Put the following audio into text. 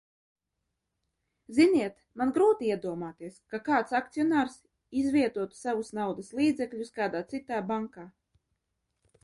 Ziniet, man grūti iedomāties, ka kāds akcionārs savus naudas līdzekļus izvietotu kādā citā bankā.